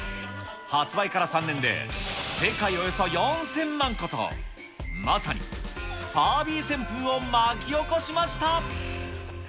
発売から３年で、世界およそ４０００万個と、まさに、ファービー旋風を巻き起こしました。